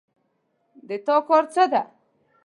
د تا کار څه ده